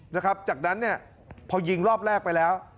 นะครับจากนั้นเนี่ยพอยิงรอบแรกไปแล้ว